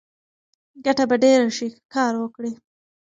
ګټه به ډېره شي که کار وکړې.